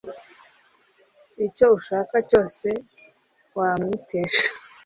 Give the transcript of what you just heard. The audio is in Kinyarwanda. icyo ushaka cyose wamwitesha? ”